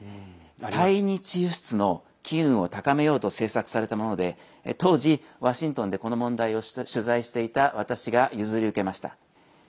対日輸出の機運を高めようと製作されたもので当時ワシントンで、この問題を取材していた私が譲り受けました。